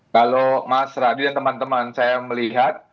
kalau mas radi dan teman teman saya melihat